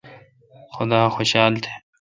خدا خوشال تہ۔